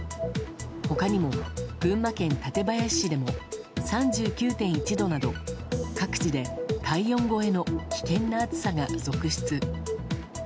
他にも、群馬県館林市でも３９．１度など各地で体温超えの危険な暑さが続出。